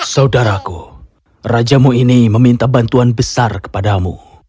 saudaraku rajamu ini meminta bantuan besar kepadamu